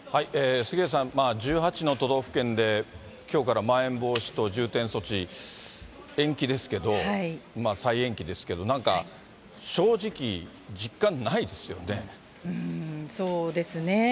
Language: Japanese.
杉上さん、１８の都道府県できょうからまん延防止等重点措置、延期ですけど、再延期ですけど、なんか正直、実感ないですよね。